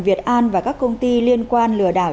việt an và các công ty liên quan lừa đảo